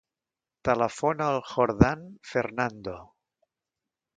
Telefona al Jordan Fernando.